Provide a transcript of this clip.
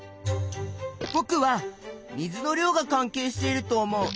ぼくは水の量が関係していると思う。